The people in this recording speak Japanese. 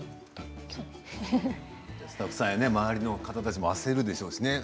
スタッフさんや周りの方たちも焦るでしょうしね。